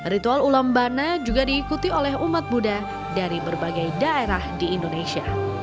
ritual ulambana juga diikuti oleh umat buddha dari berbagai daerah di indonesia